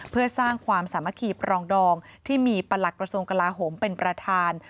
เพื่อสร้างความสามัคคีปรองดองที่มีประหลักกระทรวงกลาโหมเป็นประธาน